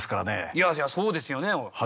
いやいやそうですよね。